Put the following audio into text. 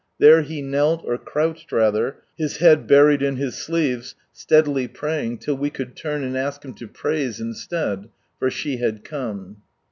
There he knelt, or crouched rather, his head buried in his sleeves, steadily praying, till we could turn and ask him to praise instead, for she had come.